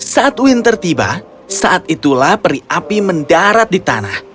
saat winter tiba saat itulah peri api mendarat di tanah